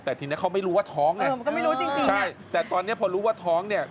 แต่ทีนี้เขาไม่รู้ว่าท้องเนี่ยแต่ตอนนี้พอรู้ว่าท้องเนี่ย